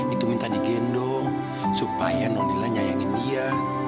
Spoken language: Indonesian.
itu minta digendong supaya nondila nyayangin dia